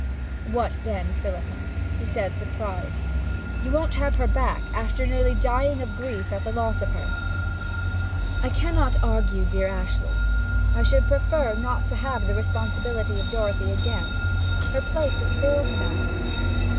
'What, then, Philippa,' he said, surprised, 'you won't have her back, after nearly dying of grief at the loss of her?' 'I cannot argue, dear Ashley. I should prefer not to have the responsibility of Dorothy again. Her place is filled now.'